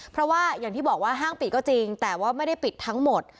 เพราะว่าอย่างที่บอกว่าห้างปิดก็จริงแต่ว่าไม่ได้ปิดทั้งหมด